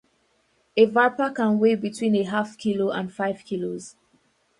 A varpa can weigh between a half kilo and five kilos.